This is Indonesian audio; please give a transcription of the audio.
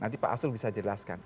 nanti pak arsul bisa jelaskan